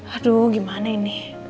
aduh gimana ini